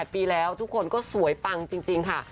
ปีแล้วทุกคนก็สวยปังจริงค่ะ